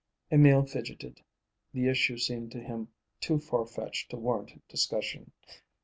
Emil fidgeted. The issue seemed to him too far fetched to warrant discussion.